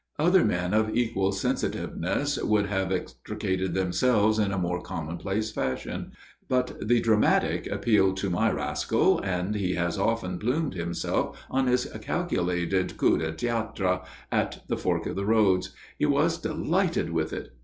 Other men of equal sensitiveness would have extricated themselves in a more commonplace fashion; but the dramatic appealed to my rascal, and he has often plumed himself on his calculated coup de théâtre at the fork of the roads. He was delighted with it.